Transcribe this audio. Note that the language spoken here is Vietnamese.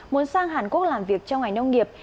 muốn sang hàn quốc làm việc trong ngành nông nghiệp